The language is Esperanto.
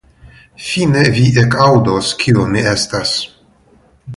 fine vi ekaŭdos, kio mi estas.